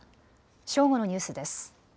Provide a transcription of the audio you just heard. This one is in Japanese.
正午のニュースです。